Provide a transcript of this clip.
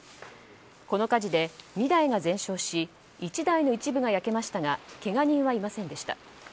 この火事で、２台が全焼し１台の一部が焼けましたがけが人はいませんでした。